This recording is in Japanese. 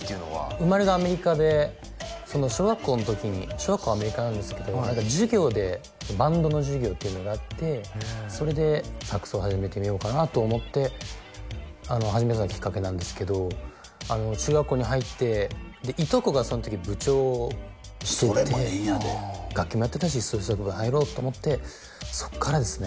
生まれがアメリカで小学校の時に小学校アメリカなんですけど何か授業でバンドの授業っていうのがあってそれでサックスを始めてみようかなと思って始めたのがきっかけなんですけどあの中学校に入っていとこがその時部長をしててそれも縁やで楽器もやってたし吹奏楽部入ろうと思ってそっからですね